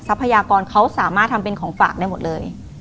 พยากรเขาสามารถทำเป็นของฝากได้หมดเลย